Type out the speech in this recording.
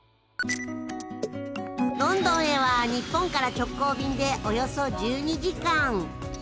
ロンドンへは日本から直行便でおよそ１２時間。